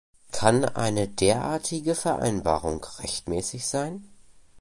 Kann eine derartige Vereinbarung rechtmäßig sein?